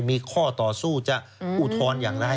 มีข้อต่อสู้จะอุทธรณ์อย่างไร